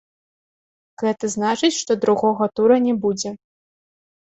Гэта значыць, што другога тура не будзе.